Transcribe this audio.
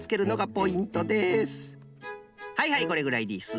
はいはいこれぐらいです。